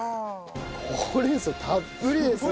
ほうれん草たっぷりですね。